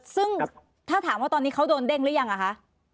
ซึ่งถ้าถามว่าตอนนี้เขาโดนเด้งหรือยังอะคะ